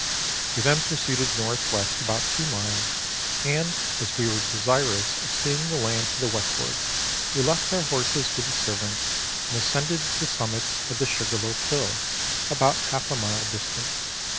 We then proceeded N.W. about two miles, and as we were desirous of seeing the land to the westward, we left our horses with the servants, and ascended the summit of the Sugar loaf Hill, about half a mile distant.